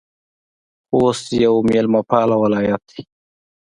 خوست یو میلمه پاله ولایت ده